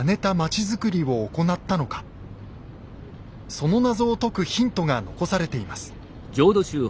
その謎を解くヒントが残されています。